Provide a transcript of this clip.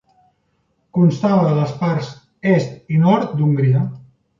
Constava de les parts est i nord d'Hongria.